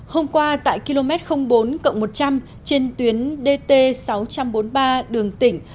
hôm qua tại km bốn một trăm linh trên tuyến dt sáu trăm bốn mươi ba đường tỉnh